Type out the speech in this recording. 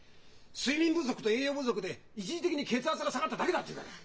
睡眠不足と栄養不足で一時的に血圧が下がっただけだっていうから。